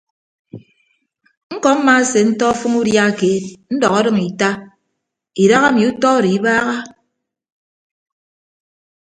Ñkọ mmaasentọ ọfʌñ udia keed ndọk ọdʌñ ita idaha emi utọ odo ibaaha.